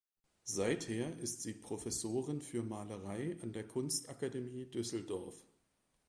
Seither ist sie Professorin für Malerei an der Kunstakademie Düsseldorf.